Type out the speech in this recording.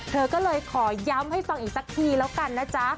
เธอก็เลยขอย้ำให้ฟังอีกสักทีแล้วกันนะจ๊ะ